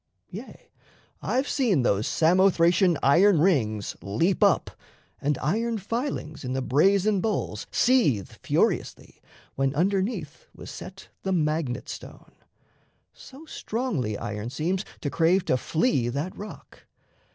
Yea, I've seen Those Samothracian iron rings leap up, And iron filings in the brazen bowls Seethe furiously, when underneath was set The magnet stone. So strongly iron seems To crave to flee that rock.